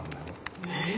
えっ？